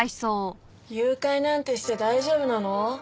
誘拐なんてして大丈夫なの？